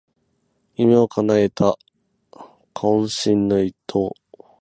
夢をかなえた懇親の一投